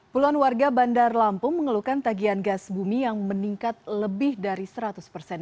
puluhan warga bandar lampung mengeluhkan tagihan gas bumi yang meningkat lebih dari seratus persen